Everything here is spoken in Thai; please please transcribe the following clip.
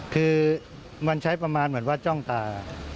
คือมันใช้ประมาณเหมือนว่าจ้องตา